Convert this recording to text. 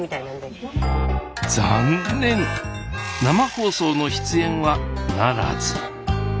生放送の出演はならず！